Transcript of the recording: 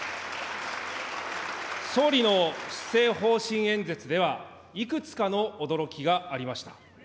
総理の施政方針演説では、いくつかの驚きがありました。